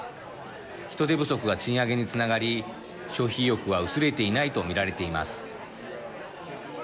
人手不足が賃上げにつながり消費意欲は薄れていないと見られています。